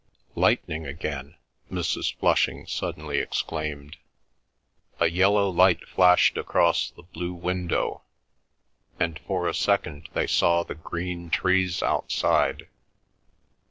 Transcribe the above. "Lightning again!" Mrs. Flushing suddenly exclaimed. A yellow light flashed across the blue window, and for a second they saw the green trees outside.